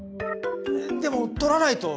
でも取らないと。